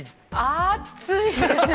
暑いですね。